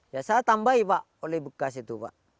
saya tambahin pak oli begas itu pak